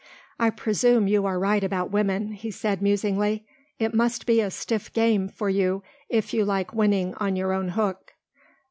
"I presume you are right about women," he said musingly, "it must be a stiff game for you if you like winning on your own hook."